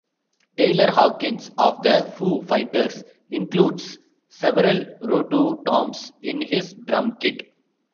Taylor Hawkins of the Foo Fighters includes several rototoms in his drum kit.